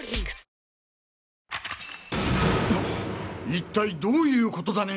一体どういう事だね